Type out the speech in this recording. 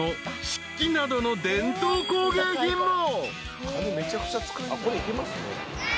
漆器などの伝統工芸品も］